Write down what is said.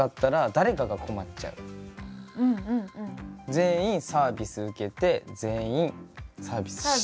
全員サービス受けて全員サービスして。